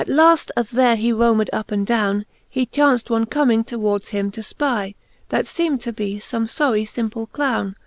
At laft, as there he romed up and downe, He chaunft one comming towards him to fpy. That feem'd to be fome forie fimple clowne.